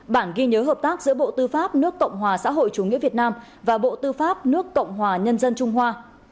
bản ghi nhớ hợp tác giữa bộ tư pháp nước cộng hòa xã hội chủ nghĩa việt nam và bộ tư pháp nước cộng hòa nhân dân trung hoa